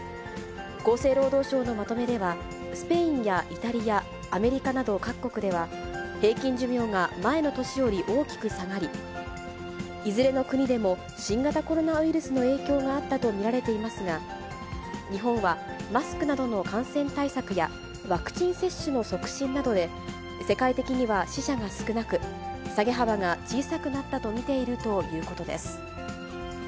厚生労働省のまとめでは、スペインやイタリア、アメリカなど各国では、平均寿命が前の年より大きく下がり、いずれの国でも、新型コロナウイルスの影響があったと見られていますが、日本はマスクなどの感染対策や、ワクチン接種の促進などで、世界的には死者が少なく、下げ幅が小さくなったと見ているということです。